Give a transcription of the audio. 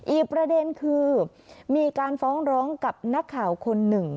อีกประเด็นคือมีการฟ้องร้องกับนักข่าวคนหนึ่ง